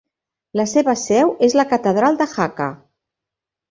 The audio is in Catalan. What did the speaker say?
La seva seu és la Catedral de Jaca.